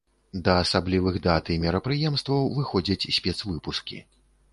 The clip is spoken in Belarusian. Да асаблівых дат і мерапрыемстваў выходзяць спецвыпускі.